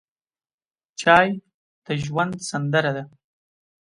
چای د ژوند سندره ده.